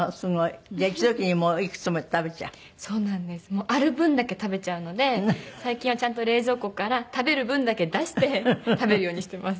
もうある分だけ食べちゃうので最近はちゃんと冷蔵庫から食べる分だけ出して食べるようにしてます。